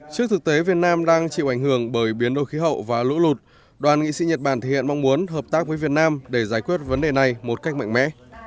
trước thực tế việt nam đang chịu ảnh hưởng bởi biến đổi khí hậu và lũ lụt đoàn nghị sĩ nhật bản thể hiện mong muốn hợp tác với việt nam để giải quyết vấn đề này một cách mạnh mẽ